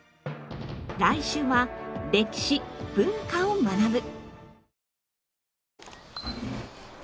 来週は歴史・文化を学ぶ。